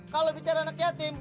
kalo bicara anak yatim